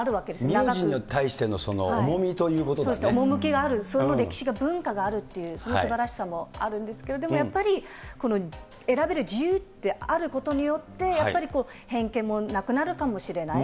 名字に対しての重みというこ趣きがある、その歴史が、文化があるというそのすばらしさがあるんですけれども、やっぱり選べる自由ってあることによって、やっぱり偏見もなくなるかもしれない。